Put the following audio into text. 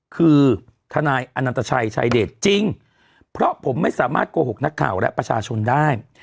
คือทนายอนันตชัยชายเดชจริงเพราะผมไม่สามารถโกหกนักข่าวและประชาชนได้